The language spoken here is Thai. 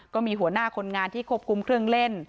ก็มีหัวหน้าคนงานที่ควบคุมเครื่องเล่น